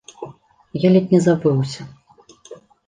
Я ледзь не забыўся.